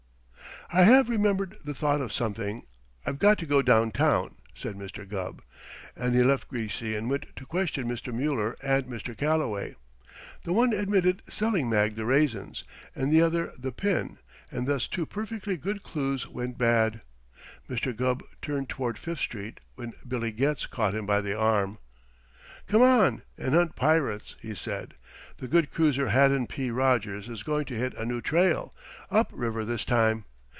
"I have remembered the thought of something; I've got to go downtown," said Mr. Gubb, and he left Greasy and went to question Mr. Muller and Mr. Calloway. The one admitted selling Mag the raisins, and the other the pin, and thus two perfectly good clues went bad. Mr. Gubb turned toward Fifth Street, when Billy Getz caught him by the arm. "Come on and hunt pirates," he said. "The good cruiser Haddon P. Rogers is going to hit a new trail up river this time.